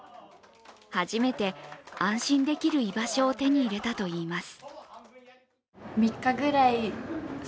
初めて安心できる居場所を手に入れたといいます。